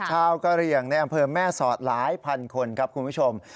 กะเหลี่ยงในอำเภอแม่สอดหลายพันคนครับคุณผู้ชม